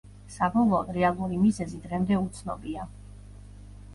საბოლოოდ, რეალური მიზეზი დღემდე უცნობია.